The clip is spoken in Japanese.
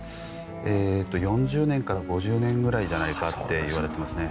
えーっと４０年から５０年ぐらいじゃないかっていわれてますね。